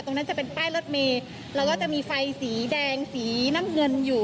นั่นจะเป็นป้ายรถเมย์แล้วก็จะมีไฟสีแดงสีน้ำเงินอยู่